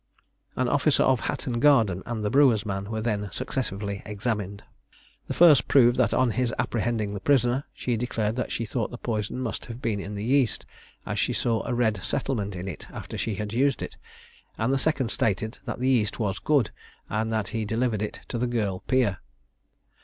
An officer of Hatton Garden and the brewer's man were then successively examined. The first proved that on his apprehending the prisoner, she declared that she thought the poison must have been in the yeast, as she saw a red settlement in it after she had used it, and the second stated that the yeast was good, and that he delivered it to the girl Peer.